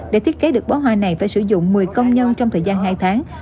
để thiết kế được bó hoa này phải sử dụng một mươi công nhân trong thời gian hai tháng